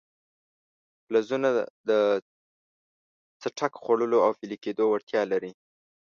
فلزونه د څټک خوړلو او ویلي کېدو وړتیا لري.